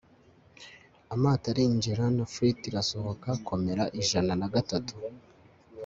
Amato arinjira na Fleet irasohoka Komera ijana na gatatu